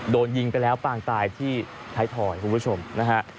โดนยิงไปแล้วปางตายที่ท้ายถอยคุณผู้ชมนะฮะ